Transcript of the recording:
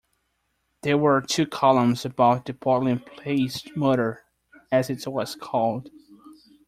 There were two columns about the Portland Place Murder, as it was called.